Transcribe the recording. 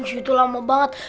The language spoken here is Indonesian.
itu lama banget